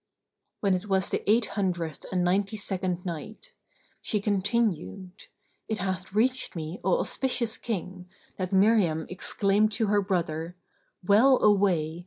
When it was the Eight Hundred and Ninety second Night, She continued, It hath reached me, O auspicious King, that Miriam exclaimed to her brother, "Well away!